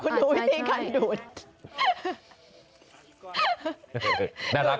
คุณดูวิธีการดูด